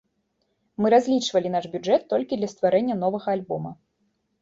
Мы разлічвалі наш бюджэт толькі для стварэння новага альбома.